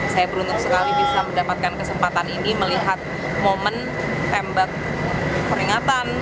saya beruntung sekali bisa mendapatkan kesempatan ini melihat momen tembak peringatan